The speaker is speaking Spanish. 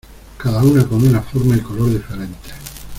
cada una con una forma y color diferentes.